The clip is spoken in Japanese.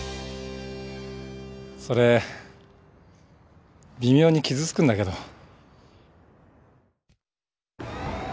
それ微妙に傷つくんだけど。